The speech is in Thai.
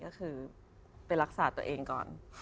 ก็คือไปรักษาตัวเองก่อน